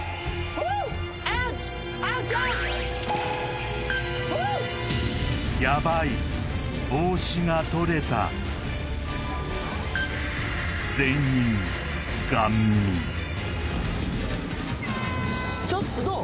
フーッヤバい帽子が取れたちょっとどう？